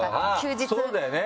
そうだよね！